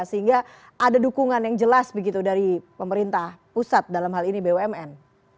sehingga ada dukungan yang jelas begitu dari pemerintah pusat dalam hal ini bumn